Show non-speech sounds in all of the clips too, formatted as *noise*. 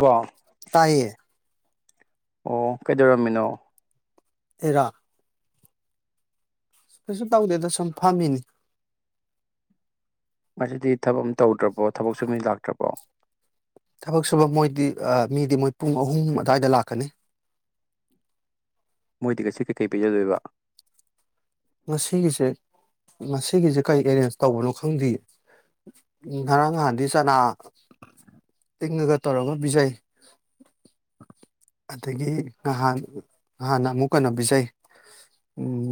ꯋꯥ ꯇꯥꯏꯌꯦ ꯑꯣ ꯀꯩꯗꯧꯔꯝꯃꯤꯅꯣ ꯑꯩꯔꯣ ꯀꯩꯁꯨ ꯇꯧꯗꯦꯗ ꯁꯨꯝ ꯐꯝꯃꯤꯅꯤ ꯉꯁꯤꯗꯤ ꯊꯕꯛ ꯇꯧꯗ꯭ꯔꯕꯣ ꯊꯕꯛ ꯁꯨꯕ ꯃꯤ ꯂꯥꯛꯇ꯭ꯔꯕꯣ ꯊꯕꯛ ꯁꯨꯕ ꯃꯣꯏꯗꯤ ꯑ ꯃꯤꯗꯤ ꯃꯣꯏ ꯄꯨꯡ ꯑꯍꯨꯝ ꯑꯗꯨꯋꯥꯏꯗ ꯂꯥꯛꯀꯅꯤ ꯃꯣꯏꯗꯤ ꯉꯁꯤ ꯀꯩꯀꯩ ꯄꯤꯖꯗꯣꯏꯕ ꯉꯁꯤꯒꯤꯁꯦ ꯉꯁꯤꯒꯤꯁꯦ ꯀꯔꯤ ꯑꯦꯔꯦꯟꯖ ꯇꯧꯕꯅꯣ ꯈꯪꯗꯦ ꯉꯔꯥꯡ ꯅꯍꯥꯟꯗꯤ ꯆꯅꯥ ꯇꯤꯡꯉꯒ ꯇꯧꯔꯒ ꯄꯤꯖꯩ ꯑꯗꯒꯤ ꯉꯍꯥꯟ ꯅꯍꯥꯟꯅ ꯑꯃꯨꯛ ꯀꯟꯅꯣ ꯄꯤꯖꯩ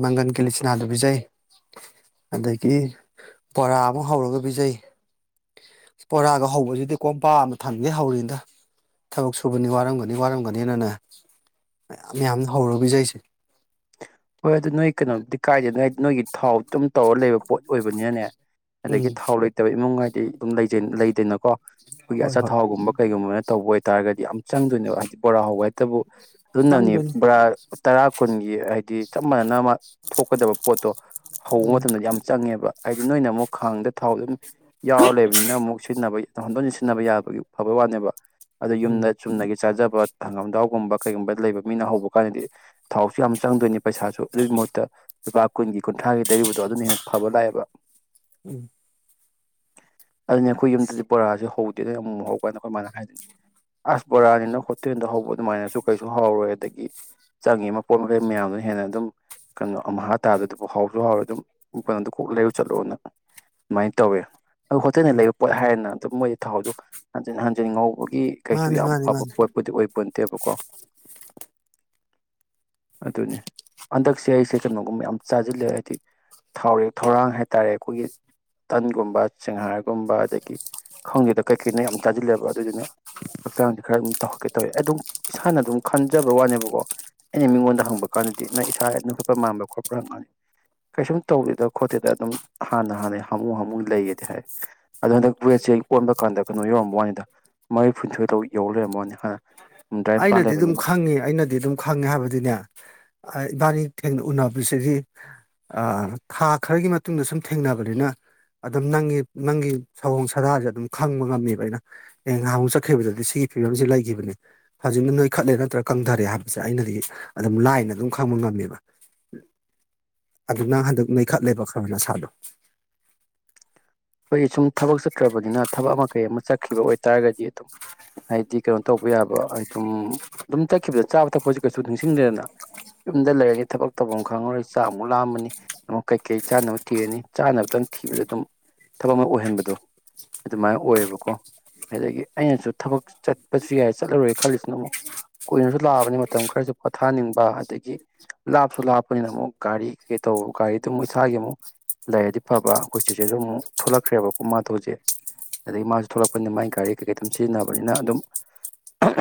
ꯃꯪꯒꯟ ꯀꯤꯂꯤꯆꯅꯥꯁꯨ ꯄꯤꯖꯩ ꯑꯗꯒꯤ ꯕꯣꯔꯥ ꯑꯃ ꯍꯧꯔꯒ ꯄꯤꯖꯩ ꯕꯣꯔꯥꯒ ꯍꯧꯕꯁꯤꯗꯤ ꯀꯣꯝꯄꯥꯛ ꯑꯃ ꯊꯟꯉꯩ ꯍꯧꯔꯤꯅꯤꯗ ꯊꯕꯛ ꯁꯨꯕꯅꯤꯅ ꯋꯥꯔꯝꯒꯅꯤꯅ ꯋꯥꯔꯝꯒꯅꯤꯅꯅꯦ ꯃꯌꯥꯝ ꯍꯧꯔꯒ ꯄꯤꯖꯩꯁꯦ ꯍꯣꯏ ꯑꯗꯨ ꯅꯣꯏ ꯀꯅꯣ ꯀꯥꯏꯗꯦ ꯅꯣꯏ ꯅꯣꯏꯒꯤ ꯊꯥꯎ ꯇꯨꯝ ꯇꯧꯔ ꯂꯩꯕ ꯄꯣꯠ ꯑꯣꯏꯕꯅꯤꯅꯅꯦ ꯑꯗꯒꯤ ꯎꯝ ꯊꯥꯎ ꯂꯩꯇꯕ ꯏꯃꯨꯡ ꯍꯥꯏꯗꯤ ꯑꯗꯨꯝ ꯂꯩꯗꯅꯀꯣ ꯑꯩꯈꯣꯏꯒꯤ ꯍꯣꯏ ꯍꯣꯏ ꯑꯆꯥꯊꯥꯎꯒꯨꯝꯕ ꯀꯩꯒꯨꯝꯕꯅ ꯇꯧꯕ ꯑꯣꯏꯇꯥꯥꯔꯒꯗꯤ ꯌꯥꯝ ꯆꯪꯗꯣꯏꯅꯦꯕ ꯍꯥꯏꯗꯤ ꯕꯣꯔꯥ ꯍꯧꯕ ꯍꯥꯏꯁꯦ ꯇꯕꯨ ꯑꯗꯨꯗꯥꯅꯤ ꯆꯪꯗꯣꯏꯅꯤ ꯄꯨ꯭ꯔ ꯇꯔꯥ ꯀꯨꯟꯒꯤ ꯍꯥꯏꯗꯤ ꯆꯞ ꯃꯥꯟꯅ ꯑꯃ ꯊꯣꯛꯀꯗꯕ ꯄꯣꯠꯇꯣ ꯍꯧꯕ ꯎꯝ ꯃꯇꯝꯗ ꯌꯥꯝ ꯆꯪꯉꯦꯕ ꯍꯥꯏꯗꯤ ꯅꯣꯏꯅ ꯑꯃꯨꯛ ꯈꯥꯡꯗ ꯊꯥꯎ ꯑꯗꯨꯝ ꯌꯥꯎꯔ ꯂꯩꯕꯅꯤꯅ ꯑꯃꯨꯛ ꯁꯤꯖꯤꯟꯅꯕ ꯇꯧꯍꯟꯗꯣꯏꯅ ꯁꯤꯟꯅꯕ ꯌꯥꯕꯒꯤ ꯐꯕ ꯋꯥꯅꯦꯕ ꯑꯗꯨ ꯎꯝ ꯌꯨꯝꯗ ꯆꯨꯝꯅꯒꯤ ꯆꯥꯖꯕ ꯍꯡꯒꯥꯝꯊꯥꯎꯒꯨꯝꯕ ꯀꯩꯒꯨꯝꯕ ꯂꯩꯕ ꯃꯤꯅ ꯍꯧꯕ ꯀꯥꯟꯗꯗꯤ ꯊꯥꯎꯁꯨ ꯌꯥꯝ ꯆꯪꯗꯣꯏꯅꯤ ꯄꯩꯁꯥꯁꯨ ꯑꯗꯨꯒꯤ ꯃꯍꯨꯠꯇ ꯂꯨꯄꯥ ꯀꯨꯟꯒꯤ ꯀꯨꯟꯊ꯭ꯔꯥꯒꯤ ꯂꯩꯔꯨꯕꯗꯣ ꯑꯗꯨꯅ ꯍꯦꯟꯅ ꯐꯕ ꯂꯥꯛꯑꯦꯕ ꯎꯝ ꯑꯗꯨꯅꯤ ꯑꯩꯈꯣꯏ ꯌꯨꯝꯗꯗꯤ ꯕꯣꯔꯥꯁꯦ ꯍꯧꯗꯦꯅ ꯌꯥꯝ ꯑꯃꯨꯛ ꯍꯧꯀꯥꯟꯗ ꯑꯩꯈꯣꯏ ꯃꯥꯅ ꯍꯥꯏꯗꯣꯏꯅꯦ ꯑꯁ ꯕꯣꯔꯥꯅꯤꯅ ꯍꯣꯇꯦꯟꯗ ꯍꯧꯕ ꯑꯗꯨꯃꯥꯏꯅꯁꯨ ꯀꯩꯁꯨ ꯍꯥꯎꯔꯣꯏ ꯑꯗꯒꯤ ꯆꯪꯉꯦ ꯑꯃ ꯃꯄꯣꯠ ꯃꯆꯩ ꯃꯌꯥꯝ ꯍꯦꯟꯅ ꯑꯗꯨꯝ ꯀꯩꯅꯣ ꯑꯃꯥ ꯇꯥꯗꯗꯨꯕꯨ ꯍꯥꯎꯁꯨ ꯍꯥꯎꯔ ꯑꯗꯨꯝ ꯀꯩꯅꯣꯗ ꯀꯣꯛ ꯂꯩꯔꯨ ꯆꯠꯂꯣꯅ ꯑꯗꯨꯃꯥꯏꯅ ꯇꯧꯋꯦ ꯑꯗꯨ ꯍꯣꯠꯇꯅ ꯎꯝ ꯂꯩꯕ ꯄꯣꯠ ꯍꯥꯏꯔꯦꯅ ꯑꯗꯨ ꯃꯣꯏꯒꯤ ꯊꯥꯎꯗꯣ ꯍꯟꯖꯤꯟ ꯍꯟꯖꯤꯟ ꯉꯧꯕ ꯒꯤ ꯀꯩꯁꯨ ꯃꯥꯅꯤ ꯌꯥꯝ ꯃꯥꯅꯤ ꯐꯕ ꯃꯥꯅꯤ ꯄꯣꯠꯄꯨꯗꯤ ꯑꯣꯏꯕ ꯇꯦꯕꯀꯣ ꯑꯗꯨꯅꯦ ꯍꯟꯗꯛꯁꯦ ꯑꯩꯁꯦ ꯀꯩꯅꯣꯒꯨꯝꯕ ꯌꯥꯝ ꯆꯥꯁꯤꯜꯂꯦ ꯍꯥꯏꯗꯤ ꯊꯥꯎꯔꯦꯛ ꯊꯧꯔꯥꯡ ꯍꯥꯏꯇꯥꯔꯦ ꯑꯩꯈꯣꯏꯒꯤ ꯇꯟꯒꯨꯝꯕ ꯆꯦꯡꯍꯔꯒ- ꯀꯨꯝꯕ ꯑꯗꯒꯤ ꯈꯪꯗꯦꯗ ꯀꯩꯀꯩꯅ ꯌꯥꯝ ꯇꯥꯖꯤꯜꯂꯦꯕ ꯑꯗꯨꯗꯨꯅ ꯍꯛꯆꯥꯡꯗꯤ ꯈꯔ ꯑꯗꯨꯝ ꯇ ꯀꯩ ꯇꯧꯋꯦ ꯑꯗꯨꯝ ꯏꯁꯥꯅ ꯑꯗꯨꯝ ꯈꯟꯖꯕ ꯋꯥꯅꯦꯕꯀꯣ ꯑꯩꯅ ꯃꯤꯉꯣꯟꯗ ꯍꯪꯕ ꯀꯥꯟꯗ ꯗꯤ ꯅꯪ ꯏꯁꯥꯩꯅ ꯈꯣꯠꯄ ꯃꯥꯟꯕꯥ ꯈꯣꯠꯄ꯭ꯔ ꯍꯪꯅꯤ ꯀꯩꯁꯨꯝ ꯇꯧꯗꯦꯗ ꯈꯣꯠꯇꯦꯗ ꯑꯗꯨꯝ ꯍꯥꯟꯅ ꯍꯥꯟꯅꯩ ꯍꯥꯃꯨ ꯍꯥꯃꯨ ꯂꯩꯒꯗꯤ ꯍꯥꯏ ꯑꯗꯨꯗꯣ ꯍꯟꯗꯛ ꯋꯦꯠꯁꯦ ꯑꯣꯟꯕ ꯀꯥꯟꯗ ꯀꯩꯅꯣ ꯌꯧꯔꯝꯕ꯭ꯋꯅꯤꯗ ꯃꯔꯤꯐꯨꯟꯊꯣꯏꯗꯧ ꯌꯧ ꯂꯩꯔꯝ ꯋꯥꯅꯤ ꯍꯥꯟꯅ ꯍꯨꯝꯗ꯭ꯔꯥ ꯅꯤꯄꯥꯟ ꯑꯩꯅꯗꯤ ꯑꯗꯨꯝ ꯂꯩꯕꯅꯦꯕ ꯈꯪꯉꯤ ꯑꯩꯅꯗꯤ ꯑꯗꯨꯝ ꯈꯪꯉꯦ ꯍꯥꯏꯕꯗꯤꯅꯦ ꯏꯕꯥꯅꯤ ꯊꯦꯡꯅ ꯎꯅꯕꯁꯤꯗꯤ ꯑ ꯊꯥ ꯈꯔꯒꯤ ꯃꯇꯨꯡꯗ ꯁꯨꯝ ꯊꯦꯡꯅꯕꯅꯤꯅ ꯑꯗꯨꯝ ꯅꯪꯒꯤ ꯅꯪꯒꯤ ꯁꯑꯣꯡ ꯁꯥꯗꯥꯁꯦ ꯑꯗꯨꯝ ꯈꯪꯕ ꯉꯝꯃꯦꯕ ꯑꯩꯅ ꯑꯦ ꯅꯍꯥꯜꯃꯨꯛ ꯆꯠꯈꯤꯕꯗꯗꯤ ꯁꯤꯒꯤ ꯐꯤꯕꯝꯁꯤ ꯂꯩꯈꯤꯕꯅꯤ ꯍꯧꯖꯤꯛꯅ ꯅꯣꯏꯈꯠꯂꯦ ꯅꯠꯇ꯭ꯔꯒ ꯀꯪꯊꯔꯦ ꯍꯥꯏꯕꯁꯦ ꯑꯩꯅꯗꯤ ꯑꯗꯨꯝ ꯂꯥꯏꯅ ꯑꯗꯨꯝ ꯈꯪꯕ ꯉꯝꯃꯦꯕ ꯑꯗꯨ ꯅꯪ ꯍꯟꯗꯛ ꯅꯣꯏꯈꯠꯂꯦꯕ ꯈꯔ ꯅꯁꯥꯗꯣ ꯑꯩꯈꯣꯏ ꯁꯨꯝ ꯊꯕꯛ ꯆꯠꯇ꯭ꯔꯕꯅꯤꯅ ꯊꯕꯛ ꯑꯃ ꯀꯩ ꯑꯃ ꯆ ꯆꯛꯈꯤꯕ ꯑꯣꯏꯇꯥꯔꯒꯗꯤ ꯑꯗꯨꯝ ꯍꯥꯏꯗꯤ ꯀꯩꯅꯣ ꯇꯧꯕ ꯌꯥꯕ ꯑꯗꯨꯝ ꯑꯗꯨꯝ ꯆꯛꯈꯤꯕꯗ ꯆꯥꯕ ꯊꯛꯄꯁꯤ ꯀꯩꯁꯨ ꯅꯤꯡꯁꯤꯡꯗꯦꯅ ꯌꯨꯝꯗ ꯂꯩꯔꯅꯤ ꯊꯕꯛ ꯇꯧꯐꯝ ꯈꯪꯉꯔꯣꯏ ꯆꯥꯃꯨꯛ ꯂꯥꯝꯃꯅꯤ ꯑꯃ ꯀꯩꯀꯩ ꯆꯥꯅꯕ ꯊꯤꯔꯅꯤ ꯆꯥꯅꯕꯗꯪ ꯊꯤꯕꯗ ꯑꯗꯨꯝ ꯊꯕꯛ ꯑꯃ ꯑꯣꯏꯍꯟꯕꯗꯣ ꯑꯗꯨꯃꯥꯏꯅ ꯑꯣꯏꯌꯦꯕꯀꯣ ꯑꯗꯒꯤ ꯑꯩꯅꯁꯨ ꯊꯕꯛ ꯆꯠꯄꯁꯨ ꯌꯥꯏ ꯆꯠꯂꯔꯣꯏ ꯈꯜꯂꯤꯁꯤꯅ ꯑꯃꯨꯛ ꯀꯣꯏꯅꯁꯨ ꯂꯥꯛꯑꯕꯅꯤ ꯃꯇꯝ ꯈꯔꯁꯨ ꯄꯣꯊꯥꯅꯤꯡꯕ ꯑꯗꯒꯤ ꯂꯥꯞꯁꯨ ꯂꯥꯞꯄꯅꯤꯅ ꯑꯃꯨꯛ ꯒꯥꯔꯤ ꯀꯩꯀꯩ ꯇꯧꯕ ꯒꯥꯔꯤꯗꯨ ꯑꯃꯨꯛ ꯏꯁꯥꯒꯤ ꯑꯃꯨꯛ ꯂꯩꯔꯗꯤ ꯐꯕ ꯑꯩꯈꯣꯏ ꯆꯤꯆꯦꯁꯨ ꯑꯃꯨꯛ ꯊꯣꯛꯂꯛꯈ꯭ꯔꯦꯕꯀꯣ ꯃꯥꯗꯣ ꯍꯧꯖꯤꯛ ꯑꯗꯒꯤ ꯃꯥꯁꯨ ꯊꯂꯛꯄꯅꯤꯅ ꯃꯒꯤ ꯒꯥꯔꯤ ꯀꯩꯀꯩ ꯑꯗꯨꯝ ꯁꯤꯖꯤꯟꯅꯕꯅꯤꯅ ꯑꯗꯨꯝ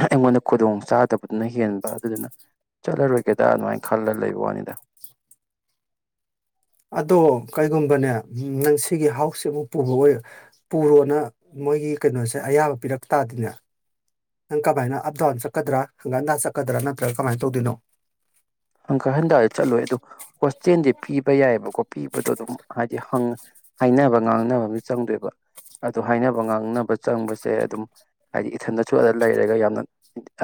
ꯑꯩꯉꯣꯟꯗ ꯈꯨꯗꯣꯡ ꯆꯥꯗꯕꯗꯨꯅ ꯍꯦꯟꯕ ꯑꯗꯨꯗꯨꯅ ꯆꯠꯂꯔꯣꯏꯒꯦꯗꯅꯥ ꯑꯗꯨꯃꯥꯏꯅ ꯈꯜꯂ ꯂꯩꯕ ꯋꯥꯅꯤꯗ ꯑꯗꯣ ꯀꯩꯒꯨꯝꯕꯅꯦ ꯅꯪ ꯁꯤꯒꯤ ꯍꯥꯎꯁꯁꯦ ꯑꯃꯨꯛ ꯄꯨꯕ ꯄꯨꯔꯣꯅ ꯃꯣꯏꯒꯤ ꯀꯩꯅꯣꯁꯦ ꯑꯌꯥꯕ ꯄꯤꯔꯛ ꯇꯥꯗꯤꯅꯦ ꯅꯪ ꯀꯃꯥꯏꯅ ꯑꯞ ꯗꯥꯎꯟ ꯆꯠꯀꯗ꯭ꯔꯥ ꯍꯪꯒꯥꯟꯗ ꯆꯠꯀꯗ꯭ꯔꯥ ꯅꯠꯇ꯭ꯔꯒ ꯀꯃꯥꯏꯅ ꯇꯧꯗꯨꯅꯣ ꯍꯪꯀꯛ ꯍꯟꯇꯥꯗꯤ ꯆꯠꯂꯣꯏ ꯑꯗꯨ ꯍꯣꯁꯇꯦꯜꯗꯤ ꯄꯤꯕ ꯌꯥꯏꯑꯕꯀꯣ ꯄꯤꯕꯗꯣ ꯑꯗꯨꯝ ꯍꯥꯏꯗꯤ ꯍꯪ ꯍꯥꯏꯅꯕ ꯉꯥꯡꯅꯕ ꯑꯃ ꯆꯪꯗꯣꯏꯕ ꯑꯗꯣ ꯍꯥꯏꯅꯕ ꯉꯥꯡꯅꯕ ꯆꯪꯕꯁꯦ ꯑꯗꯨꯝ ꯍꯥꯏꯗꯤ ꯏꯊꯟꯗꯁꯨꯑꯂ ꯂꯩꯔꯒ ꯌꯥꯝꯅ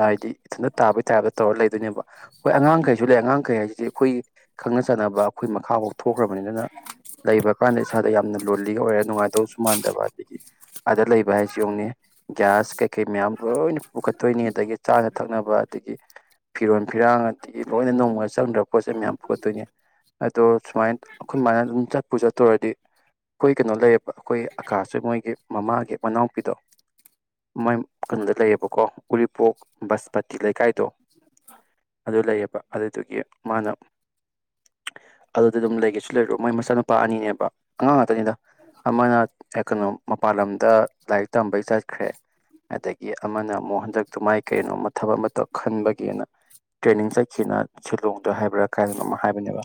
ꯍꯥꯏꯗꯤ ꯏꯊꯟꯗ ꯇꯥꯕꯩ ꯇꯥꯏꯞꯇ ꯇꯧꯔ ꯂꯩꯗꯣꯏꯅꯦꯕ ꯍꯣꯏ ꯑꯉꯥꯡꯈꯩ ꯁꯤꯁꯨ ꯂꯩ ꯑꯉꯥꯡ ꯀꯩ ꯍꯥꯏꯁꯤꯗꯤ ꯑꯩꯈꯣꯏꯒꯤ ꯈꯪꯅ ꯆꯥꯟꯅꯕ ꯑꯩꯈꯣꯏ ꯃꯈꯥꯐꯥꯎ ꯊꯣꯛꯈ꯭ꯔꯕꯅꯤ ꯑꯗꯨꯅ ꯂꯩꯕ ꯀꯥꯟꯗ ꯏꯁꯥꯗ ꯌꯥꯝꯅ ꯂꯣꯜꯂꯤꯒ ꯑꯣꯏꯔ ꯅꯨꯡꯉꯥꯏꯗꯧꯁꯨ ꯃꯥꯟꯗꯕ ꯑꯗꯒꯤ ꯑꯥꯗ ꯂꯩꯕ ꯍꯥꯏꯁꯤ ꯌꯦꯡꯉꯨꯅꯦ ꯒ꯭ꯌꯥꯁ ꯀꯩꯀꯩ ꯃꯌꯥꯝ ꯂꯣꯏꯅ ꯄꯨꯈꯠꯇꯣꯏꯅꯤ ꯑꯗꯒꯤ ꯆꯥꯅ ꯊꯛꯅꯕ ꯑꯗꯒꯤ ꯐꯤꯔꯣꯟ ꯐꯤꯔꯥꯡ ꯑꯗꯒꯤ ꯂꯣꯏꯅ ꯅꯣꯡꯃꯗ ꯆꯪꯗ꯭ꯔꯕ ꯄꯣꯠꯁꯩ ꯃꯌꯥꯝ ꯄꯨꯈꯠꯇꯣꯏꯅꯦ ꯑꯗꯣ ꯁꯨꯃꯥꯏꯅ ꯑꯩꯈꯣꯏ ꯃꯥꯅ ꯑꯗꯨꯝ ꯆꯠꯄꯨ ꯆꯠꯇꯨꯔꯗꯤ ꯑꯩꯈꯣꯏ ꯀꯩꯅꯣ ꯂꯩꯌꯦꯕ ꯑꯩꯈꯣꯏ ꯑꯀꯥꯥꯁ ꯃꯣꯏꯒꯤ ꯃꯃꯥꯒꯤ ꯃꯅꯥꯎꯄꯤꯗꯣ ꯃꯥꯏ ꯀꯩꯅꯣꯗ ꯂꯩꯌꯦꯕꯀꯣ ꯎꯔꯤꯄꯣꯛ ꯕꯁꯄꯇꯤ ꯂꯩꯀꯥꯏꯗꯣ ꯑꯗꯨ ꯂꯩꯌꯦꯕ ꯑꯗꯨꯗꯨꯒꯤ ꯃꯥꯅ ꯑꯗꯨꯗ ꯑꯗꯨꯝ ꯂꯩꯒꯦꯁꯨ ꯂꯩꯔꯣ ꯃꯣꯏ ꯃꯆꯥꯅꯨꯄꯥ ꯑꯅꯤꯅꯦꯕ ꯑꯉꯥꯡ ꯉꯥꯛꯇꯅꯤꯗ ꯑꯃꯅ ꯀꯩꯅꯣ ꯃꯄꯥꯟ ꯂꯝꯗ ꯂꯥꯏꯔꯤꯛ ꯇꯝꯕꯩ ꯆꯠꯈ꯭ꯔꯦ ꯑꯗꯒꯤ ꯑꯃꯅ ꯑꯃꯨꯛ ꯍꯟꯗꯛꯇꯨ ꯃꯥꯏ ꯀꯩꯅꯣꯝꯃ ꯊꯕꯛ ꯑꯃ ꯇꯧ ꯈꯟꯕꯒꯤꯅ ꯇ꯭ꯔꯦꯅꯤꯡ ꯆꯠ- ꯁꯤꯅ ꯁꯤꯂꯣꯡꯗ ꯍꯥꯏꯕ꯭ꯔꯥ ꯀꯥꯏꯗꯅ ꯑꯃ ꯍꯥꯏꯕꯅꯦꯕ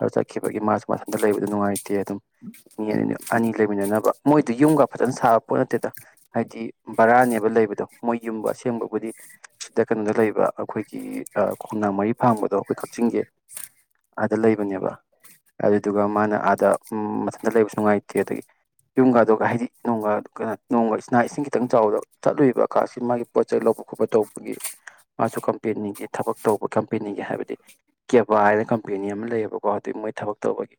ꯑꯗꯨ ꯆꯠꯈꯤꯕꯒꯤ ꯃꯥꯁꯨ ꯃꯊꯟꯇ ꯂꯩꯕꯗ ꯅꯨꯡꯉꯥꯏꯇꯦ ꯑꯗꯨꯝ ꯃꯤ ꯑꯅꯤ ꯑꯅꯤ ꯂꯩꯃꯤꯟꯅꯅꯕ ꯃꯣꯏꯗ ꯌꯨꯝꯒ ꯐꯖꯅ ꯁꯥꯕ ꯄꯣꯠ ꯅꯠꯇꯦꯗ ꯍꯥꯏꯗꯤ ꯕꯔꯥꯅꯦꯕ ꯂꯩꯕꯗꯣ ꯃꯣꯏ ꯌꯨꯝꯕ ꯑꯁꯦꯡꯕꯕꯨꯗꯤ ꯁꯤꯗ ꯀꯩꯅꯣꯗ ꯂꯩꯕ ꯑꯩꯈꯣꯏꯒꯤ ꯑꯥ ꯈꯨꯝꯅꯥ ꯃꯔꯤ ꯐꯥꯡꯕꯗꯣ ꯑꯩꯈꯣꯏ ꯀꯛꯆꯤꯡꯒꯤ ꯑꯥꯗ ꯂꯩꯕꯅꯦꯕ ꯑꯗꯨꯗꯨꯒ ꯃꯥꯅ ꯑꯥꯗ ꯃꯊꯟꯇ ꯂꯩꯕꯁꯨ ꯅꯨꯡꯉꯥꯏꯇꯦ ꯑꯗꯒꯤ ꯌꯨꯝꯒꯗꯨꯒ ꯍꯥꯏꯗꯤ ꯅꯣꯡꯒ ꯀꯩꯅ ꯅꯣꯡ ꯏ ꯏꯁꯤꯡ ꯈꯤꯇꯪ ꯆꯥꯎꯕꯗ ꯆꯠꯂꯨꯏꯕ ꯀꯥꯁꯤ ꯃꯥꯒꯤ ꯄꯣꯠ ꯆꯩꯩ ꯂꯧꯕ ꯈꯣꯠꯄ ꯇꯧꯕꯒꯤ ꯃꯥꯁꯨ ꯀꯝꯄꯦꯅꯤꯒꯤ ꯊꯕꯛ ꯇꯧꯕ ꯀꯝꯄꯦꯅꯤꯒꯤ ꯍꯥꯏꯕꯗꯤ ꯀꯦꯕꯥ ꯍꯥꯏꯅ ꯀꯝꯄꯦꯅꯤ ꯑꯃ ꯂꯩꯌꯦꯕꯀꯣ ꯍꯧꯖꯤꯛ ꯃꯣꯏ ꯊꯕꯛ ꯇꯧꯕꯒꯤ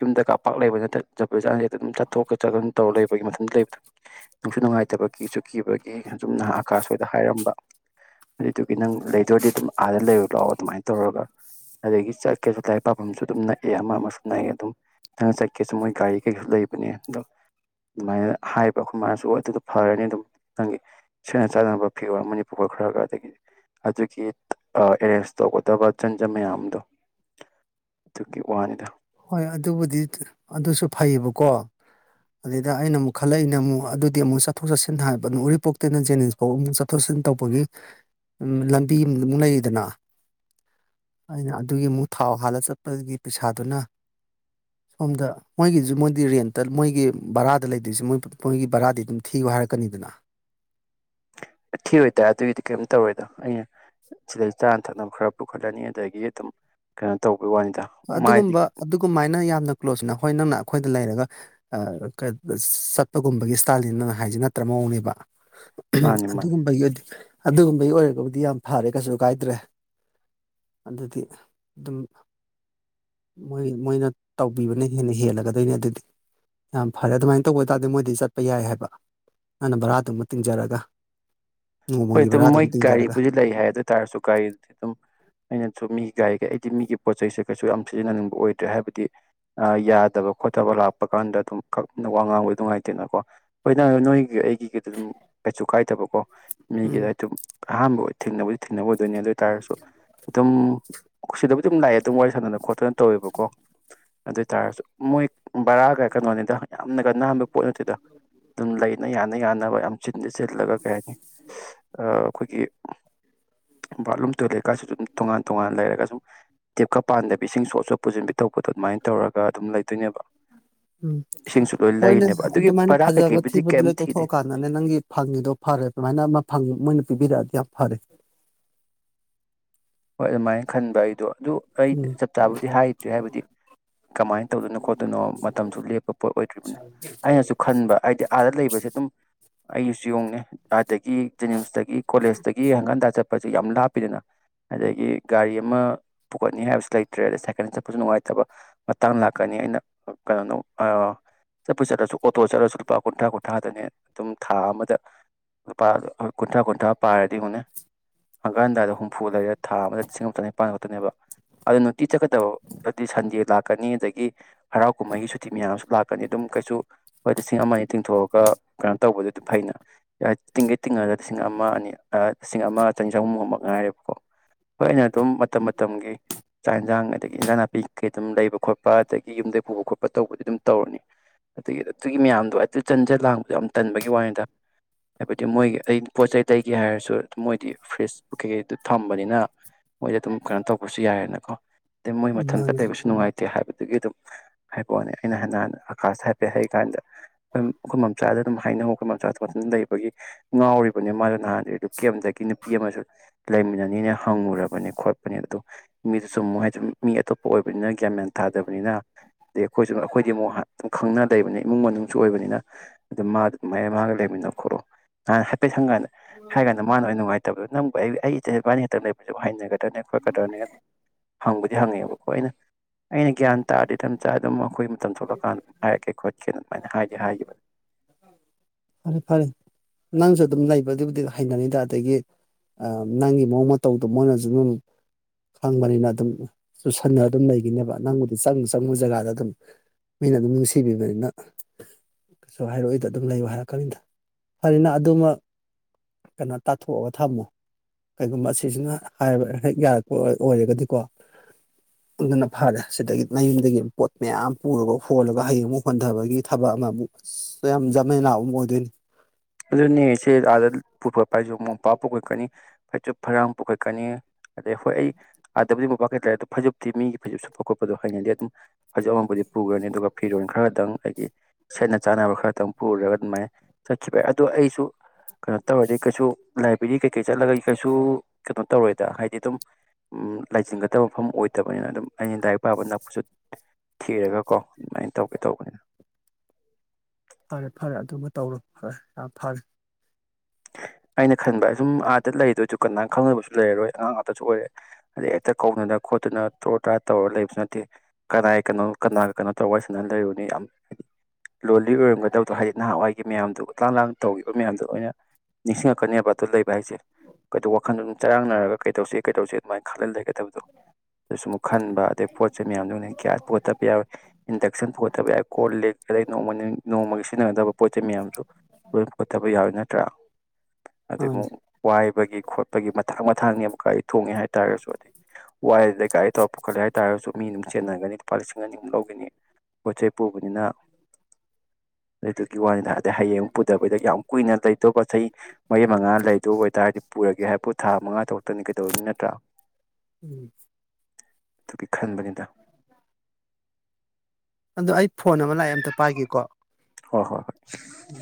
ꯌꯨꯝꯗ ꯀꯥꯄꯥꯛ ꯂꯩꯕ ꯅꯠꯇ ꯖꯄ ꯖꯥꯟꯁꯦ ꯑꯗꯨꯝ ꯆꯠꯊꯣꯛꯀ ꯆꯠꯅ ꯇꯧꯔ ꯂꯩꯕꯒꯤ ꯃꯇꯝꯗ ꯂꯩꯕ ꯅꯨꯡꯁꯨ ꯅꯨꯡꯉꯥꯏꯇꯕ ꯀꯤꯁꯨ ꯀꯤꯕꯒꯤ ꯁꯨꯝ ꯅꯍꯥ ꯑꯀꯥꯁꯁꯣꯏꯗ ꯍꯥꯏꯔꯝꯕ ꯑꯗꯨꯏꯗꯨꯒꯤ ꯅꯪ ꯂꯩꯗꯨꯔꯗꯤ ꯑꯗꯨꯝ ꯑꯥꯗ ꯂꯩꯔ ꯂꯥꯛꯑꯣ ꯑꯗꯨꯃꯥꯏꯅ ꯇꯧꯔꯒ ꯑꯗꯒꯤ ꯆꯠꯀꯦꯁꯨ ꯂꯥꯏꯔꯤꯛ ꯄꯥꯐꯝꯁꯨ ꯑꯗꯨꯝ ꯅꯛꯑꯦ ꯑꯃ ꯑꯃꯁꯨ ꯅꯛꯑꯦ ꯑꯗꯨꯝ ꯅꯪꯅ ꯆꯠꯀꯦꯁꯨ ꯃꯣꯏ ꯒꯥꯔꯤ ꯀꯩꯁꯨ ꯂꯩꯕꯅꯦ ꯑꯗꯣ ꯑꯗꯨꯃꯥꯏꯅ ꯍꯥꯏꯕ ꯑꯩꯈꯣꯏ ꯃꯥꯅꯁꯨ ꯑꯗꯨꯗꯣ ꯐꯔꯅꯤ ꯑꯗꯨꯝ ꯅꯪꯒꯤ ꯁꯦꯡꯅ ꯆꯥꯅꯕ ꯐꯤꯌꯣꯔ ꯑꯃꯅꯤ ꯄꯨꯈꯠꯈ꯭ꯔꯒ ꯑꯗꯒꯤꯗꯤ ꯑꯗꯨꯒꯤ ꯑꯦꯔꯦꯟꯖ ꯇꯧꯒꯗꯕ ꯆꯟꯖꯕ ꯃꯌꯥꯝꯗꯣ ꯑꯗꯨꯒꯤ ꯋꯥꯅꯤꯗ ꯍꯣꯏ ꯑꯗꯨꯕꯨꯗꯤ ꯑꯗꯨꯁꯨ ꯐꯩꯌꯦꯕꯀꯣ ꯑꯗꯩꯗ ꯑꯩꯅ ꯑꯃꯨꯛ ꯈꯜꯂꯛꯏꯅ ꯑꯃꯨꯛ ꯑꯗꯨꯗꯤ ꯑꯃꯨꯛ ꯆꯠꯊꯣꯛ ꯆꯠꯁꯤꯟ ꯊ ꯍꯥꯏ ꯎꯔꯤꯄꯣꯛꯇꯅ ꯖꯦꯅꯤꯟꯁ ꯐꯥꯎ ꯑꯃꯨꯛ ꯆꯠꯊꯣꯛ ꯆꯠꯁꯤꯟ ꯇꯧꯕꯒꯤ ꯂꯝꯕꯤ ꯑꯃ ꯑꯃꯨꯛ ꯂꯩꯗꯅ ꯑꯩꯅ ꯑꯗꯨꯒꯤ ꯑꯃꯨꯛ ꯊꯥꯎ ꯍꯥꯜꯂ ꯆꯠꯄꯒꯤ ꯄꯩꯁꯥꯗꯨꯅ ꯁꯣꯝꯗ ꯃꯣꯏꯒꯤꯁꯨ ꯃꯣꯏꯗꯤ ꯔꯦꯟꯠꯇ ꯃꯣꯏꯒꯤ ꯕꯔꯥꯗ ꯂꯩꯗꯣꯏꯁꯦ ꯃꯣꯏꯒꯤ ꯕꯔꯥꯗꯤ ꯑꯗꯨꯝ ꯊꯤꯌꯨ ꯍꯥꯏꯔꯛꯀꯅꯤꯗꯅ ꯊꯤꯔꯣꯏ ꯇ ꯑꯗꯨꯒꯤꯗꯤ ꯀꯔꯤꯝ ꯇꯧꯔꯣꯏꯗ ꯑꯩꯅ ꯋꯥꯅꯤꯗ ꯃꯥꯏꯗꯤ ꯑꯗꯨꯒꯨꯝꯕ ꯑꯗꯨꯒꯃꯥꯏꯅ ꯌꯥꯝꯅ ꯀ꯭ꯂꯣꯖꯅ ꯍꯣꯏ ꯅꯪꯅ ꯑꯩꯈꯣꯏꯗ ꯂꯩꯔꯒ ꯆꯠꯄꯒꯨꯝꯕꯒꯤ ꯁ꯭ꯇꯥꯏꯜꯅꯤꯅ ꯅꯪꯅ ꯍꯥꯏꯖꯦ ꯅꯠꯇ꯭ꯔ ꯃꯑꯣꯡꯅꯦꯕ ꯃꯥꯅꯤ ꯃꯥꯅꯤ ꯑꯗꯨꯒꯨꯝꯕꯒꯤꯗꯤ ꯑꯗꯨꯒꯨꯝꯕꯒꯤ ꯑꯣꯏꯔꯒꯕꯨꯗꯤ ꯌꯥꯝ ꯐꯔꯦ ꯀꯩꯁꯨ ꯀꯥꯏꯗ꯭ꯔꯦ ꯑꯗꯨꯗꯤ ꯑꯗꯨꯝ ꯃꯣꯏ ꯃꯣꯏꯅ ꯇꯧꯕꯤꯕꯅ ꯍꯦꯟꯅ ꯍꯦꯜꯂꯒꯗꯣꯏꯅꯦ ꯑꯗꯨꯗꯤ ꯌꯥꯝ ꯐꯔꯦ ꯑꯗꯨꯃꯥꯏꯅ ꯇꯧꯕ ꯑꯣꯏ ꯇꯥꯔꯗꯤ ꯃꯣꯏꯗꯤ ꯆꯠꯄ ꯌꯥꯏ ꯍꯥꯏꯕ ꯅꯪꯅ ꯚꯔꯥꯗꯨꯃ ꯇꯤꯡꯖꯔꯒ ꯍꯣꯏ ꯅꯣꯡꯃꯒꯤ ꯑꯗꯨꯝ ꯃꯣꯏ ꯕꯔꯥꯗꯨꯃ ꯇꯤꯡꯖꯔꯒ ꯒꯥꯔꯤꯕꯨꯗꯤ ꯂꯩ ꯍꯥꯏ ꯑꯗꯨ ꯑꯣꯏꯇꯥꯥꯔꯁꯨ ꯒꯥꯔꯤꯗꯨꯗꯤ ꯑꯗꯨꯝ ꯑꯩꯅ ꯆꯨꯝꯃꯤ ꯒꯥꯔꯤꯒꯤ ꯑꯩꯗꯤ ꯃꯤꯒꯤ ꯄꯣꯠ ꯆꯩꯁꯦ ꯀꯩꯁꯨ ꯌꯥꯝ ꯁꯤꯖꯤꯟꯅꯅꯤꯡꯕ ꯑꯣꯏꯗ꯭ꯔꯦ ꯍꯥꯏꯕꯗꯤ ꯌꯥꯗꯕ ꯈꯣꯠꯇꯕ ꯂꯥꯛꯄ ꯀꯥꯟꯗ ꯑꯗꯨꯝ ꯈꯛ ꯋꯥ ꯉꯥꯡꯕ ꯅꯨꯡꯉꯥꯏꯇꯦꯅꯀꯣ ꯍꯣꯏꯅ ꯅꯣꯏꯒꯤ ꯑꯩꯒꯤꯒꯗꯤ ꯑꯗꯨꯝ ꯀꯩꯁꯨ ꯀꯥꯏꯗꯕꯀꯣ ꯃꯤꯒꯤ ꯎꯝ ꯑꯇꯨꯝ ꯑꯍꯥꯟꯕ ꯑꯣꯏ ꯊꯦꯡꯅꯕꯗꯤ ꯊꯦꯡꯅꯕ ꯑꯗꯨꯅꯦ ꯑꯗꯨ ꯑꯣꯏꯇꯥꯔꯁꯨ ꯑꯗꯨꯝ ꯑꯣꯁꯤ ꯑꯗꯨꯝ ꯂꯥꯛꯑꯦ ꯑꯗꯨꯝ ꯋꯥꯔꯤ ꯁꯥꯟꯅꯅ ꯈꯣꯠꯇꯅ ꯇꯧꯋꯦꯕꯀꯣ ꯑꯗꯨ ꯑꯣꯏꯇꯥꯔꯁꯨ ꯃꯣꯏ ꯕꯔꯥꯒ ꯀꯩꯅꯣꯅꯤꯗ ꯌꯥꯝꯅꯒ ꯅꯥꯟꯕ ꯄꯣꯠ ꯅꯠꯇꯦꯗ ꯑꯗꯨꯝ ꯂꯩꯅ ꯌꯥꯅ ꯌꯥꯅꯕ ꯌꯥꯝ ꯆꯤꯟꯗ ꯆꯤꯜꯂꯒ ꯀꯩ ꯍꯥꯏꯅꯤ ꯑꯩꯈꯣꯏꯒꯤ ꯕꯥꯠꯔꯨꯝ ꯇꯣꯏꯂꯦꯠꯀꯁꯨ ꯑꯗꯨꯝ ꯇꯣꯉꯥꯟ ꯇꯣꯉꯥꯟꯅ ꯂꯩꯔꯒ ꯁꯨꯝ ꯇꯤꯞꯀ ꯄꯥꯟꯗꯕꯤ ꯏꯁꯤꯡ ꯁꯣꯠꯁꯨ ꯄꯨꯁꯤꯟꯕꯤ ꯇꯧꯕꯗꯣ ꯑꯗꯨꯃꯥꯏꯅ ꯇꯧꯔꯒ ꯑꯗꯨꯝ ꯂꯩꯗꯣꯏꯅꯦꯕ ꯎꯝ ꯏꯁꯤꯡꯁꯨ ꯂꯣꯏ ꯍꯣꯏꯅꯦ ꯂꯩꯔꯤꯅꯦꯕ ꯑꯗꯨꯒꯤ ꯑꯗꯨꯃꯥꯏꯅ ꯕꯔꯥ ꯐꯖꯕ ꯀꯩꯀꯩꯕꯨꯗꯤ ꯊꯤꯕꯗꯨ ꯀꯩꯝ ꯂ ꯊꯤꯗꯦ ꯇꯣꯛꯊꯣꯛꯑꯀꯥꯟꯗꯅꯦ ꯅꯪꯒꯤ ꯐꯪꯉꯤꯗꯣ ꯐꯔꯦ ꯑꯗꯨꯃꯥꯏꯅ ꯐꯪꯉꯤ ꯃꯣꯏꯅ ꯄꯤꯕꯤꯔꯛꯑꯗꯤ ꯌꯥꯝ ꯐꯔꯦ ꯍꯣꯏ ꯑꯗꯨꯃꯥꯏꯅ ꯈꯟꯕ ꯑꯩꯗꯣ ꯑꯗꯨ ꯑꯩꯗꯤ ꯎꯝ ꯆꯞ ꯆꯥꯕꯨꯗꯤ ꯍꯥꯏꯗ꯭ꯔꯔꯤ ꯍꯥꯏꯕꯗꯤ ꯀꯃꯥꯏꯅ ꯇꯧꯗꯅꯣ ꯈꯣꯠꯇꯅꯣ ꯃꯇꯝꯁꯨ ꯂꯦꯞꯄ ꯄꯣꯠ ꯑꯣꯏꯗ꯭ꯔꯤꯕꯅꯤꯅꯣ ꯑꯩꯅꯁꯨ ꯈꯟꯕ ꯍꯥꯏꯗꯤ ꯑꯥꯗ ꯂꯩꯕꯁꯦ ꯑꯗꯨꯝ ꯑꯩꯒꯤꯁꯨ ꯌꯦꯡꯎꯅꯦ ꯑꯗꯒꯤ ꯖꯦꯅꯤꯝꯁꯇꯒꯤ ꯀꯣꯂꯦꯖꯇꯒꯤ ꯍꯪꯒꯥꯥꯟꯗ ꯆꯠꯄ ꯍꯖꯤ ꯌꯥꯝ ꯂꯥꯞꯄꯤꯗꯅ ꯑꯗꯒꯤ ꯒꯥꯔꯤ ꯑꯃ ꯄꯨꯈꯠꯅꯤ ꯍꯥꯏꯕꯁꯨ ꯂꯩꯇ꯭ꯔꯦ ꯑꯗꯩ ꯁꯥꯏꯀꯜ ꯆꯠꯄꯁꯨ ꯅꯨꯡꯉꯥꯏꯇꯕ ꯃꯇꯥꯡ ꯂꯥꯛꯀꯅꯤ ꯑꯩꯅ ꯀꯩꯅꯣꯅꯣ ꯆꯠꯄ ꯆꯠꯂꯁꯨ ꯑꯣꯇꯣ ꯆꯠꯂꯁꯨ ꯂꯨꯄꯥ ꯀꯨꯟꯊ꯭ꯔꯥ ꯀꯨꯟꯊ꯭ꯔꯥꯗꯅꯦ ꯑꯗꯨꯝ ꯊꯥ ꯑꯃꯗ ꯂꯨꯄꯥ ꯀꯨꯟꯊ꯭ꯔꯥ ꯀꯨꯟꯊ꯭ꯔꯥ ꯄꯥꯏꯔꯗꯤ ꯑꯃꯨꯟꯅ ꯍꯪꯀꯥꯟꯗꯗꯨꯝ ꯐꯨꯂꯩꯔꯦ ꯊꯥ ꯑꯃꯗ ꯆꯤꯡꯉꯇꯅꯤ ꯄꯥꯟꯂꯛꯇꯅꯦꯕ ꯑꯗꯨ ꯅꯨꯡꯇꯤ ꯆꯠꯀꯗꯕꯗꯗꯤ ꯁꯟꯗꯦ ꯂꯥꯛꯀꯅꯤ ꯑꯗꯒꯤ ꯍꯔꯥꯎ ꯀꯨꯝꯍꯩꯒꯤ ꯁꯨꯇꯤ ꯃꯌꯥꯝ ꯑꯃꯁꯁꯨ ꯂꯥꯛꯀꯅꯤ ꯑꯗꯨꯝ ꯀꯩꯁꯨ ꯍꯣꯏꯗ ꯂꯤꯁꯤꯟ ꯑꯃꯅꯤ ꯇꯤꯡꯊꯣꯛꯑꯒ ꯀꯩꯅꯣ ꯇꯧꯕ ꯐꯥꯏꯅ ꯌꯥ ꯇꯤꯡꯒ ꯇꯤꯡꯉꯗ ꯂꯤꯁꯤꯡ ꯑꯃ ꯑꯅꯤ ꯂꯤꯁꯤꯡ ꯑꯃ ꯆꯅꯤꯖꯍꯨꯝꯒꯨꯝꯕ ꯑꯏ ꯍꯣꯏ ꯑꯩꯅ ꯑꯗꯨꯝ ꯃꯇꯝ ꯃꯇꯝꯒꯤ ꯆꯥꯛ ꯏꯟꯁꯥꯡ ꯑꯗꯒꯤ ꯏꯟꯖꯥꯡ ꯅꯥꯄꯤ ꯀꯩ ꯑꯗꯨꯝ ꯂꯩꯕ ꯈꯣꯠꯄ ꯑꯗꯒꯤ ꯌꯨꯝꯗꯩ ꯄꯨꯕ ꯈꯣꯠꯄ ꯇꯧꯕꯗꯤ ꯑꯗꯨꯝ ꯇꯧꯔꯅꯤ ꯑꯗꯒꯤ ꯑꯗꯨꯒꯤ ꯃꯌꯥꯝꯗꯣ ꯑꯗꯨ ꯆꯟꯖ ꯂꯥꯡꯕꯗꯣ ꯌꯥꯝ ꯇꯟꯕꯒꯤ ꯋꯥꯅꯤꯗ ꯍꯥꯏꯕꯗꯤ ꯃꯣꯏꯒꯤ ꯑꯩ ꯄꯣꯠꯆꯩ ꯇꯩꯒ ꯍꯥꯏꯔꯁꯨ ꯃꯣꯏꯗꯤ ꯐ꯭ꯔꯤꯁ ꯀꯩꯀꯩ ꯑꯗꯨ ꯊꯝꯕꯅꯤꯅ ꯃꯣꯏꯗ ꯑꯗꯨꯝ ꯀꯩꯅꯣ ꯇꯧꯕꯁꯨ ꯌꯥꯏꯔꯦꯅꯀꯣ ꯑꯗꯩ ꯃꯣꯏ ꯎꯝ ꯃꯊꯟꯇ ꯃꯥꯅꯦ ꯂꯩꯕꯁꯨ ꯅꯨꯡꯉꯥꯏꯇꯦ ꯍꯥꯏꯕꯗ ꯑꯗꯨꯒꯤ ꯑꯗꯨꯝ ꯍꯥꯏꯕꯛꯑꯅꯦ ꯑꯩꯅ ꯅꯍꯥꯟ ꯑꯀꯥꯁꯇ ꯍꯥꯏꯐꯦꯠ ꯍꯥꯏꯩ ꯀꯥꯟꯗ ꯑꯩꯈꯣꯏ ꯈꯨꯈꯣꯏ ꯃꯆꯥꯗ ꯑꯗꯨꯝ ꯍꯥꯏꯅꯕꯉ ꯑꯩꯈꯣꯏ ꯃꯆꯥꯗ ꯐꯖꯅ ꯂꯩꯕꯒꯤ ꯉꯥꯎꯔꯤꯕꯅꯤ ꯃꯥꯗꯨ ꯅꯍꯥꯟ ꯑꯗꯨ ꯔꯦꯂꯤꯗꯦ ꯀꯝꯄꯗꯒꯤ ꯅꯨꯄꯤ꫰ꯑꯃꯁꯨ ꯂꯩꯃꯤꯟꯅꯅꯤꯅꯦ ꯍꯪꯉꯨꯔꯕꯅꯤ ꯈꯣꯠꯄꯅꯦ ꯑꯗꯣ ꯃꯤꯗꯨꯁꯨ ꯑꯃꯨꯛ ꯍꯥꯏꯗꯤ ꯃꯤ ꯑꯇꯣꯞꯄ ꯑꯣꯏꯕꯅꯤꯅ ꯒ꯭ꯌꯥꯟ ꯃꯌꯥꯟ ꯊꯥ ꯃꯤ ꯂꯩꯇꯕꯤꯅꯥ ꯑꯩꯈꯣꯏꯁꯨ ꯑꯩꯈꯣꯏꯗꯤ ꯑꯃꯨꯛ ꯑꯗꯨ ꯈꯪꯅ ꯂꯩꯕꯅꯤ ꯏꯃꯨꯡ ꯃꯅꯨꯡꯁꯨ ꯑꯣꯏꯕꯅꯤꯅ ꯑꯗꯨꯝ ꯃꯥ ꯑꯗꯨꯃꯥꯏꯅ ꯃꯥꯒ ꯂꯩꯃꯤꯟꯅ ꯈꯣꯠꯂꯣ ꯅꯍꯥꯟ ꯑꯩꯈꯣꯏ ꯁꯪꯀꯥꯟꯗ ꯍꯥꯏ ꯀꯥꯟꯗ ꯃꯥꯅ ꯑꯣꯏꯅ ꯅꯨꯡꯉꯥꯏꯇꯗꯣ ꯅꯪ ꯑꯩ ꯏꯕꯥꯅꯤ ꯍꯦꯛꯇ ꯂꯩꯕ ꯍꯥꯏꯅꯒꯦ ꯈꯇꯅꯤ ꯑꯩꯈꯣꯏ ꯈꯛꯇꯅꯤ ꯍꯪꯕꯗꯤ ꯍꯪꯉꯦꯕꯀꯣ ꯑꯩꯅ ꯑꯩꯅ ꯒ꯭ꯌꯥꯟ ꯇꯥꯔꯗꯤ ꯃꯇꯝꯞ ꯆꯥ ꯑꯗꯨꯝ ꯃꯈꯣꯏ ꯃꯇꯝ ꯊꯣꯛꯂꯀꯥꯟꯗ ꯍꯥꯏꯔꯛꯀꯦ ꯈꯣꯠꯀꯦꯅ ꯐꯅꯤ ꯍꯥꯏꯒꯦ ꯍꯥꯏꯒꯦ ꯐꯅꯤ ꯐꯔꯦ ꯐꯔꯦ ꯅꯪꯁꯨ ꯑꯗꯨꯝ ꯂꯩꯕꯗꯨꯕꯨꯗꯤ ꯍꯩꯅꯅꯤꯗ ꯑꯗꯒꯤ ꯅꯪꯒꯤ ꯃꯑꯣꯡ ꯃꯇꯧꯗꯣ ꯃꯣꯏꯅꯁꯨ ꯑꯗꯨꯝ ꯈꯪꯕꯅꯤꯅ ꯑꯗꯨꯝ ꯆꯨꯁꯟꯅ ꯑꯗꯨꯝ ꯂꯩꯈꯤꯅꯦꯕ ꯅꯪꯕꯨꯗꯤ ꯆꯪꯉ ꯆꯪꯉꯨ ꯖꯒꯥꯗ ꯑꯗꯨꯝ ꯃꯤꯅ ꯑꯗꯨꯝ ꯅꯨꯡꯁꯤꯕꯤꯕꯅꯤꯅ ꯀꯩꯁꯨ ꯍꯥꯏꯔꯛꯑꯣꯏꯗ ꯑꯗꯨꯝ ꯂꯩꯌ ꯍꯥꯏꯔꯛ ꯀꯔꯤꯇ ꯐꯔꯤꯅ ꯑꯗꯨꯃꯛ ꯀꯩꯅꯣ ꯇꯥꯊꯣꯛꯑꯒ ꯊꯝꯃꯣ ꯀꯩꯒꯨꯝꯕ ꯁꯤꯁꯤꯅ ꯍꯥꯏ ꯍꯦꯛ ꯌꯥꯔꯛꯄ ꯑꯣꯏꯔꯒꯗꯤꯀꯣ ꯑꯗꯨꯅ ꯐꯔꯦ ꯁꯤꯗꯒꯤ ꯃꯌꯨꯝꯗꯒꯤ ꯄꯣꯠ ꯃꯌꯥꯝ ꯄꯨꯔꯒ ꯍꯣꯜꯂꯒ ꯍꯌꯦꯡꯨ ꯍꯣꯟꯊꯕꯒꯤ ꯊꯕꯛ ꯑꯃꯕꯨꯛ ꯌꯥꯝ ꯆꯅ ꯂꯥꯎ ꯑꯣꯏ ꯑꯗꯨ ꯑꯗꯨꯖꯁꯦ ꯑ ꯄꯨ ꯐꯩꯖ ꯑꯃꯛ ꯃꯄꯥ ꯄꯨꯈꯠꯀꯅꯤ ꯐꯩꯖꯨꯞ ꯐꯩꯔꯥꯡ ꯄꯨꯈꯠꯀꯅꯤ ꯑꯗꯩ ꯍꯣꯏ ꯑꯩ ꯑꯥꯗꯕꯨꯗꯤ ꯑꯃ ꯄꯈ꯭ꯔꯦ ꯑꯗꯨꯗ ꯐꯖꯨꯞꯇꯤ ꯃꯤꯒꯤ ꯐꯩꯖꯨꯞ ꯁꯨꯞꯠꯄ ꯈꯣꯠꯄꯗꯣ ꯍꯩꯅꯗꯤ ꯑꯗꯨꯝ ꯐꯖ ꯑꯃꯕꯨꯗꯤ ꯄꯨꯈ꯭ꯔꯅꯤ ꯑꯗꯨꯒ ꯐꯤꯔꯣꯜ ꯈꯔꯗꯪ ꯑꯩꯒꯤ ꯁꯦꯠꯅ ꯆꯥꯅꯕ ꯈꯔꯗꯪ ꯄꯨꯔꯒ ꯑꯗꯨꯃꯥꯏꯅ ꯈꯤꯕ ꯑꯗꯣ ꯑꯩꯁꯨ ꯀꯩꯅꯣ ꯇꯧꯔꯗꯤ ꯀꯩꯁꯨ ꯂꯥꯏꯕ꯭ꯔꯦꯔꯤ ꯀꯩꯀꯩ ꯆꯠꯂꯒ ꯀꯩꯁꯨ ꯀꯩꯅꯣ ꯇꯧꯔꯣꯏꯗ ꯍꯥꯏꯗꯤ ꯑꯗꯨꯝ ꯂꯥꯏꯁꯤꯟꯒꯗꯕ ꯃꯐꯝ ꯑꯣꯏꯗꯕꯅꯤꯅ ꯑꯗꯨꯝ ꯑꯩꯅ ꯗꯥꯏꯔꯤꯛ ꯄꯥꯕ ꯅꯛꯄꯁꯨ ꯊꯤꯔꯒ ꯀꯣ ꯑꯗꯨꯃꯥꯏꯅ ꯇꯧꯒꯦ ꯇꯧꯕꯅꯤꯅ ꯐꯔꯦ ꯐꯔꯦ ꯑꯗꯨꯃ ꯇꯧꯔꯣ ꯐꯔꯦ ꯌꯥꯝ ꯐꯔꯦ ꯑꯩꯅ ꯈꯟꯕ ꯁꯨꯝ ꯑꯥꯗ ꯂꯩꯗꯣꯏꯁꯨ ꯀꯅꯥ ꯈꯪꯗꯕꯁꯨ ꯂꯩꯔꯔꯣꯏ ꯑꯉꯥꯡ ꯑꯥꯛꯇꯁꯨ ꯑꯣꯏꯔꯦ ꯍꯥꯏꯩ ꯍꯦꯛꯇ ꯀꯧꯗꯅ ꯈꯣꯠꯇꯨꯅ ꯇꯣꯔꯣ ꯇꯔꯥ ꯇꯧꯔꯒ ꯂꯩꯕꯁꯨ ꯅꯠꯇꯦ ꯀꯅꯥꯒꯤ ꯀꯩꯅꯣ ꯀꯅꯥꯒ ꯀꯩꯅꯣ ꯇꯧꯕ ꯍꯥꯏ ꯁꯅꯅ ꯂꯩꯔꯨꯅꯤ ꯌꯥꯝ ꯍꯥꯏꯗꯤ ꯂꯣꯜꯂꯤ ꯑꯣꯏꯔꯝꯒꯗꯕꯗ ꯍꯥꯏꯗꯤ ꯅꯍꯥꯟꯋꯥꯏꯒꯤ ꯃꯌꯥꯝꯗꯨ ꯂꯥꯡ ꯂꯥꯡ ꯇꯧꯈꯤꯕ ꯃꯌꯥꯝꯗꯨꯣ ꯑꯩꯅ ꯅꯤꯡꯁꯤꯡꯉꯛꯀꯅꯦꯕ ꯑꯗꯨ ꯂꯩꯕ ꯍꯥꯏꯁꯦ ꯀꯩꯗꯣ ꯋꯥꯈꯜꯗ ꯑꯗꯨꯝ ꯆꯔꯥꯡꯅꯔꯒ ꯀꯩꯗꯧꯁꯦ ꯀꯩꯗꯧꯁꯦ ꯑꯗꯨꯃꯥꯏꯅ ꯈꯜꯍꯜꯂꯒꯗ ꯐꯠꯇꯕꯗꯣ ꯑꯗꯨꯁꯨꯨꯝꯨꯛ ꯈꯟꯕ ꯑꯗꯩ ꯄꯣꯠ ꯆꯩ ꯃꯌꯥꯝꯗꯨꯅ ꯒ꯭ꯌꯥꯁ ꯄꯨꯈꯠꯇꯕ ꯌꯥꯎꯋꯏ ꯏꯟꯗꯛꯁꯟ ꯄꯨꯈꯠꯇꯕ ꯌꯥꯏꯋꯏ ꯀꯣꯜ ꯂꯦꯛꯗꯩ ꯅꯣꯡꯃ ꯅꯣꯡꯃꯒꯤ ꯁꯤꯖꯤꯟꯅꯒꯗꯕ ꯄꯣꯠ ꯆꯩ ꯃꯌꯥꯝꯁꯨ ꯂꯣꯏ ꯄꯨꯣꯊꯕ ꯌꯥꯎꯋꯤ ꯅꯠꯇ꯭ꯔꯥ ꯑꯗꯨ ꯃꯥꯅꯤ ꯑꯃꯨꯛ ꯋꯥꯏꯕꯒꯤ ꯈꯣꯠꯄꯒꯤ ꯃꯇꯊꯥꯡ ꯃꯊꯥꯡꯅꯤ ꯑꯃꯨꯛ ꯒꯥꯔꯤ ꯊꯣꯡꯉꯦ ꯍꯥꯏꯇꯥꯔꯒꯁꯨ ꯑꯗꯨꯗꯩ ꯋꯥꯏꯗꯨꯗ ꯒꯥꯔꯤ ꯇꯧꯔ ꯄꯨꯈꯠꯂꯦ ꯍꯥꯏꯇꯥꯔꯁꯨ ꯃꯤ ꯑꯗꯨꯝ ꯆꯦꯟꯅꯒꯅꯤ ꯂꯨꯄꯥ ꯂꯤꯁꯤꯡ ꯑꯅꯤꯃꯨꯛ ꯂꯧꯒꯅꯤ ꯄꯣꯠ ꯆꯩ ꯄꯨꯕꯅꯤꯅ ꯑꯗꯨꯗꯨꯒꯤ ꯋꯥꯅꯤꯗ ꯑꯗꯩ ꯍꯌꯦꯡ ꯑꯃꯨꯛ ꯄꯨꯗꯕꯩꯗ ꯌꯥꯝ ꯀꯨꯏꯅ ꯂꯩꯇꯕ ꯃꯔꯤ ꯃꯉꯥ ꯂꯩꯗ ꯑꯣꯏꯇꯥꯔꯗꯤ ꯄꯨꯔꯒꯦ ꯍꯥꯏꯄꯨ ꯊꯥ ꯃꯉꯥ ꯇꯔꯛꯇꯅꯤ ꯀꯩꯗꯧꯔꯤꯅꯤ ꯅꯠꯇ꯭ꯔꯥ ꯎꯝ *inaudible* ꯈꯟꯕꯒꯤꯗ ꯑꯗꯣ ꯑꯩ ꯐꯣꯟ ꯑꯃ ꯂꯥꯛꯑꯦ ꯑꯝꯇ ꯄꯥꯏꯒꯦꯀꯣ ꯍꯣꯏ ꯍꯣꯏ ꯍꯣꯏ ꯎꯝ